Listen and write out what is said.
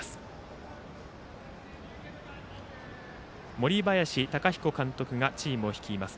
森林貴彦監督がチームを率います。